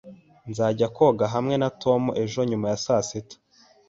Nzajya koga hamwe na Tom ejo nyuma ya saa sita